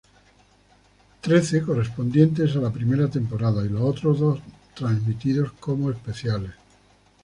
Trece correspondientes a la primera temporada, y los otros dos transmitidos como especiales.